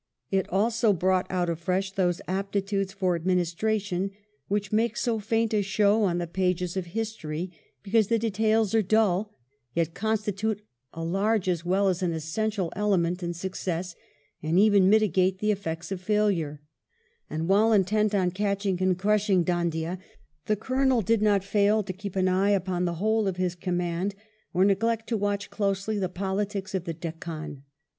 It also brought out afresh those aptitudes for administration, which make so faint a show on the pages of history. 54 WELLINGTON chap. because the details are dull, yet constitute a large as well as an essential element in success, and even mitigate the effects of failura And, while intent on catching and crushing Dhoondiah, the Colonel did not fail to keep an eye upon the whole of his command, or neglect to watch closely the politics of the Deccan.